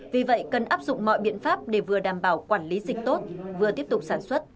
vì vậy cần áp dụng mọi biện pháp để vừa đảm bảo quản lý dịch tốt vừa tiếp tục sản xuất